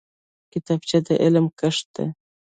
کتابچه د علم کښت دی